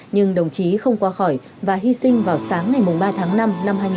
nhưng đồng chí không qua khỏi và hy sinh vào sáng ngày ba tháng năm năm hai nghìn một mươi ba